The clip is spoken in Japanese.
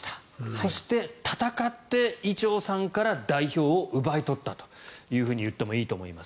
そして、戦って伊調さんから代表を奪い取ったといってもいいと思います。